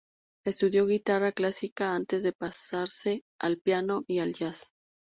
Estudió guitarra clásica antes de pasarse al piano y al "jazz".